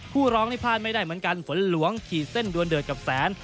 ร้องนี่พลาดไม่ได้เหมือนกันฝนหลวงขีดเส้นดวนเดือดกับแสน